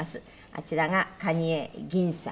あちらが蟹江ぎんさん。